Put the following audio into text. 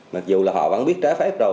mặc dù là họ vẫn biết trái phép đâu